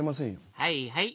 はいはい。